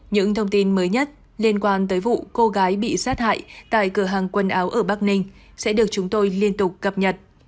những thông tin mới nhất liên quan tới vụ cô gái bị sát hại tại cửa hàng quần áo ở bắc ninh sẽ được chúng tôi liên tục cập nhật